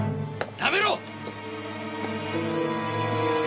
やめろ！